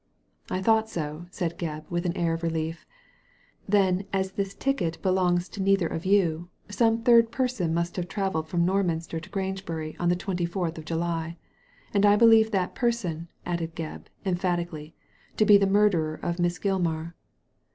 "I thought so," said Gebb, virith an air of relief. Then as this ticket belongs to neither of you, some third person must have travelled from Norminster to Grangebury on the twenty fourth of July. And I believe that person," added Gebb, emphatically, "to be the murderer of Miss Gilmar."